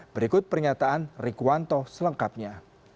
berikut pernyataan rikuanto selengkapnya